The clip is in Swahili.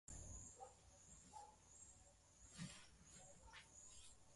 Polisi wa Zimbabwe mwishoni mwa wiki walikizuia chama kikuu cha upinzani nchini humo kufanya